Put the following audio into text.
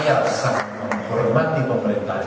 dan kami akan bergabung di pemerintah ini